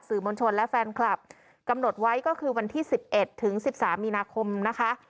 มวลชนและแฟนคลับกำหนดไว้ก็คือวันที่สิบเอ็ดถึงสิบสามมีนาคมนะคะ